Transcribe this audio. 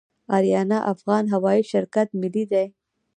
اریانا افغان هوایی شرکت ملي دی